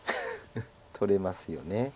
取れますよね。